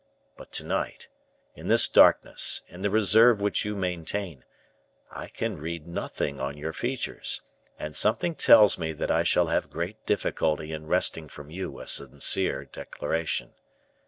But to night, in this darkness, in the reserve which you maintain, I can read nothing on your features, and something tells me that I shall have great difficulty in wresting from you a sincere declaration.